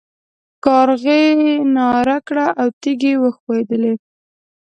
کارغې ناره کړه او تيږې وښوېدلې.